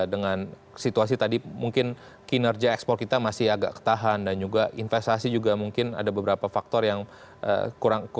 dengan situasi tadi mungkin kinerja ekspor kita masih agak ketahan dan juga investasi juga mungkin ada beberapa faktor yang kurang